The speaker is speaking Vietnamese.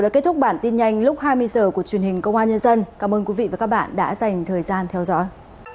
cảm ơn các bạn đã theo dõi